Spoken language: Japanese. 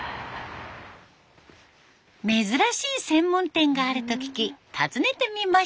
珍しい専門店があると聞き訪ねてみました。